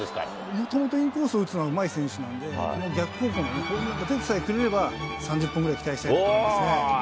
もともとインコースを打つのはうまい選手なんで、逆方向のホームランが出てさえくれれば、３０本ぐらい期待したいおー！